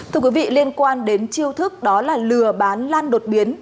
thưa quý vị liên quan đến chiêu thức đó là lừa bán lan đột biến